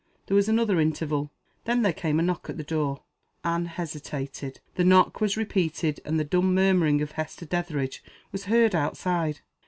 There was another interval. Then there came a knock at the door. Anne hesitated. The knock was repeated, and the dumb murmuring of Hester Dethridge was heard outside.